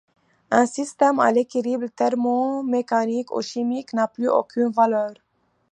Un système à l'équilibre thermomécanique ou chimique n'a plus aucune valeur.